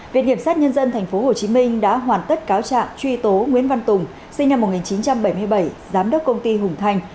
viện kiểm sát nhân dân tp hcm đã hoàn tất cáo trạng truy tố nguyễn văn tùng sinh năm một nghìn chín trăm bảy mươi bảy giám đốc công ty hùng thành